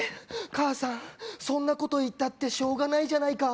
母さんそんなこと言ったってしょうがないじゃないか？